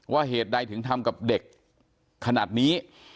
เหตุใดถึงทำกับเด็กขนาดนี้